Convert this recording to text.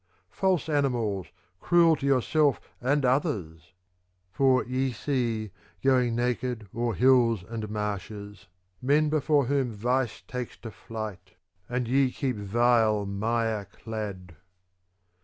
False animals, cruel to your selves and others ! For ye see, going naked o'er hills and marshes, men before whom vice takes to flight : and ye keep vile mire clad.